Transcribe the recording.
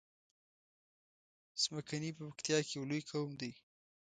څمکني په پکتیا کی یو لوی قوم دی